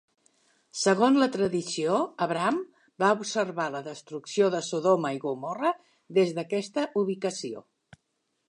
Segons la tradició, Abraham va observar la destrucció de Sodoma i Gomorra des d'aquesta ubicació.